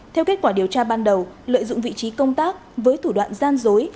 theo kết quả điều tra ban đầu lợi dụng vị trí công tác với thủ đoạn gian dối